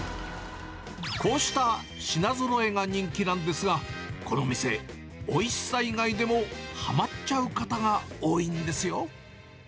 こうした品ぞろえが人気なんですが、この店、おいしさ以外でもはまっちゃう方が多いんですよ。